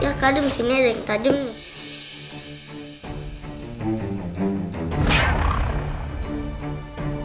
ya kadang di sini ada yang tajam nih